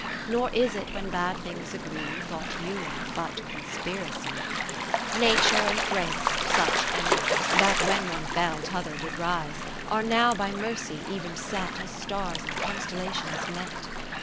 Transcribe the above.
Nor is it when bad things agree Thought union, but conspiracy, (563) o VIII Nature and Grace, such enemies, That when one fell t' other did rise, Are now by Mercy even set, 31 As stars in constellations met.